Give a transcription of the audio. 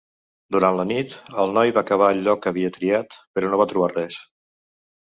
Durant la nit, el noi va cavar al lloc que havia triat, però no va trobar res.